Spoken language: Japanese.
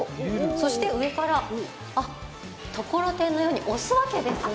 そして上から、ところてんのように押すわけですね。